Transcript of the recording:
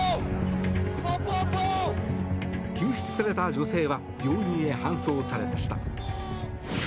救出された女性は病院へ搬送されました。